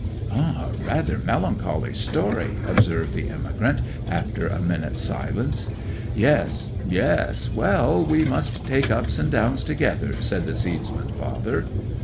'A rather melancholy story,' observed the emigrant, after a minute's silence. 'Yes, yes. Well, we must take ups and downs together,' said the seedsman's father.